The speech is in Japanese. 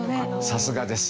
さすがです。